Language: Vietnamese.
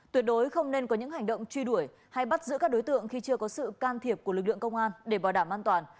tuyệt đối không nên có những hành động truy đuổi hay bắt giữ các đối tượng khi chưa có sự can thiệp của lực lượng công an để bảo đảm an toàn